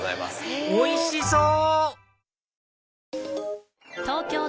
おいしそう！